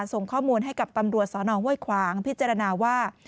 ส่งข้อมูลให้กับตำรวจสนห้วยขวางพิจารณาว่า